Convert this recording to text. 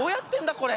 これ。